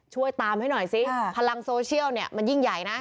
ช่วยตามให้หน่อยสิพลังโซเชียลเนี่ยมันยิ่งใหญ่นะ